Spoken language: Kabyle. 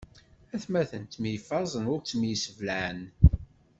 Atmaten ttemyeffaẓen, ur ttemseblaɛen.